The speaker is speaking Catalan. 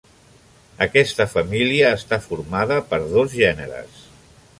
Aquesta família està formada per dos gèneres.